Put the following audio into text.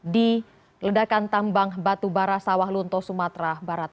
di ledakan tambang batu barat sawah lunto sumatera barat